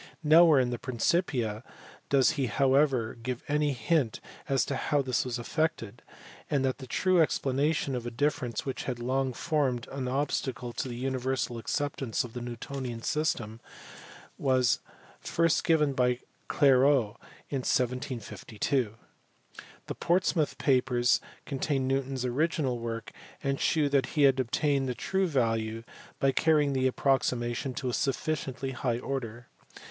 Nowhere in the Principia does he however give any hint as to how this was effected, and the true explanation of a difference which had long formed an obstacle to the universal acceptance of the Newtonian system was first given by Clairaut in 1752. The Portsmouth papers contain Newton s original work, and shew that he had obtained the true value by carrying the approximation to a sufficiently high order.